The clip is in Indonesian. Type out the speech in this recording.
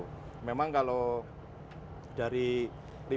memang kalau dari lima puluh kapal yang sekarang ini sudah diperbatasan